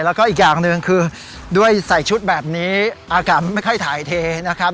แล้วก็อีกอย่างหนึ่งคือด้วยใส่ชุดแบบนี้อากาศไม่ค่อยถ่ายเทนะครับ